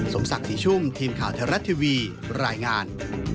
สมศักดิ์ศรีชุ่มทีมข่าวไทยรัฐทีวีรายงาน